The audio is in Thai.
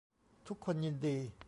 ทุกคนยินดี